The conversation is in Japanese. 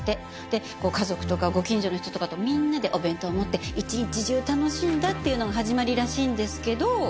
で家族とかご近所の人とかとみんなでお弁当を持って一日中楽しんだっていうのが始まりらしいんですけど。